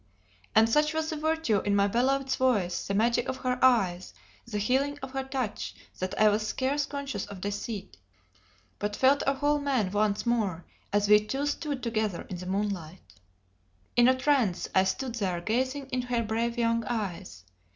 And such was the virtue in my beloved's voice, the magic of her eyes, the healing of her touch, that I was scarce conscious of deceit, but felt a whole man once more as we two stood together in the moonlight. In a trance I stood there gazing into her brave young eyes.